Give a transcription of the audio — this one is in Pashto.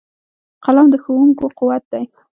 قلم د ښوونکو قوت دی